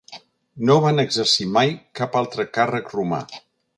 No van exercir mai cap alt càrrec romà.